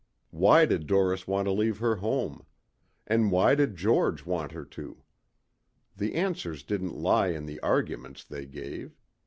Why did Doris want to leave her home? And why did George want her to? The answers didn't lie in the arguments they gave.